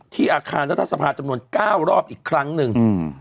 ที่อาคารรัฐสภาพจำนวน๙รอบอีกครั้งนึง